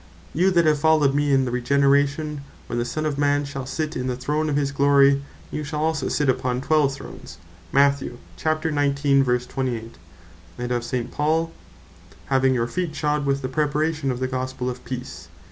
"You that have followed me in the Regeneration, when the Son of man shall sit in the throne of his glory, you shall also sit upon twelve Thrones;" And of St. Paul (Ephes. 6.15.) "Having your feet shod with the Preparation of the Gospell of Peace."